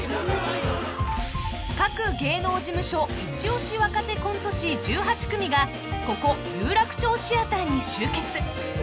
［各芸能事務所一押し若手コント師１８組がここ有楽町シアターに集結］